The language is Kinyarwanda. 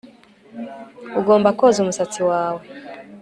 Ugomba koza umusatsi wawe